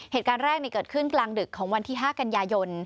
เหตุการณ์แรกเกิดขึ้นกลางดึกของวันที่๕กันยายน